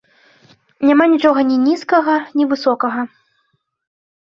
Няма нічога ні нізкага, ні высокага.